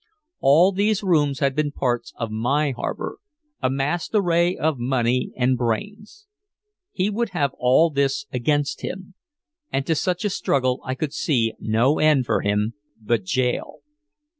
All these rooms had been parts of my harbor a massed array of money and brains. He would have all this against him. And to such a struggle I could see no end for him but jail.